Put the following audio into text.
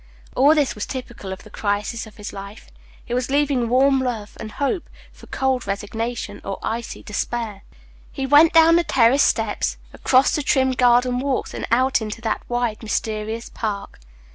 All this was typical of the crisis of his life. He was leaving warm love and hope for cold resignation or icy despair. He went down the terrace steps, across the trim garden walks, and out into that wide, mysterious park.